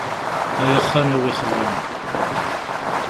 Ay axxam-iw yexlan!